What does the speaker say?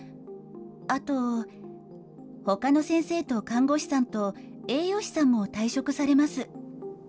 あと、ほかの先生と看護師さんと、栄養士さんも退職されます。